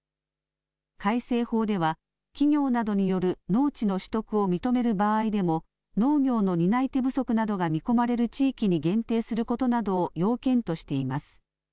改正法では企業などによる農地の取得を認める場合でも農業の担い手不足などが見込まれる地域に限定することなどを要件としています。